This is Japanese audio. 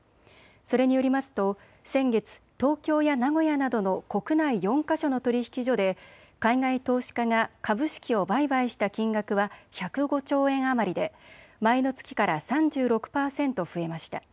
それによりますと先月、東京や名古屋などの国内４か所の取引所で海外投資家が株式を売買した金額は１０５兆円余りで前の月から３６％増えました。